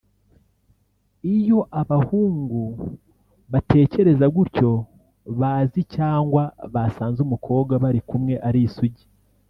Iyo abahungu batekereza gutyo bazi cyangwa basanze umukobwa bari kumwe ari Isugi